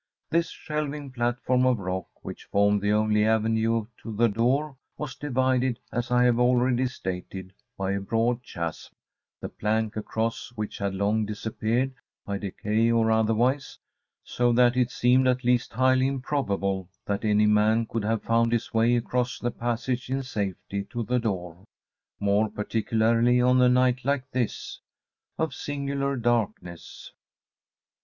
This shelving platform of rock, which formed the only avenue to the door, was divided, as I have already stated, by a broad chasm, the planks across which had long disappeared, by decay or otherwise; so that it seemed at least highly improbable that any man could have found his way across the passage in safety to the door, more particularly on a night like this, of singular darkness.